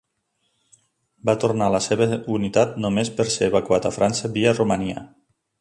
Va tornar a la seva unitat només per ser evacuat a França via Romania.